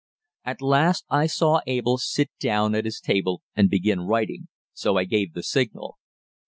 At last I saw Abel sit down at his table and begin writing, so I gave the signal.